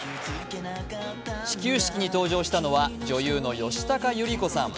始球式に登場したのは女優の吉高由里子さん。